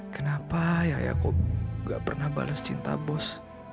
kenapa ayah aku gak pernah bales cinta bos